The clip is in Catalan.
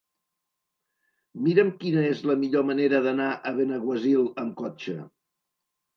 Mira'm quina és la millor manera d'anar a Benaguasil amb cotxe.